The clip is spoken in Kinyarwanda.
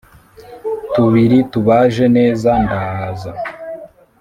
tubiri tubaje neza ndaza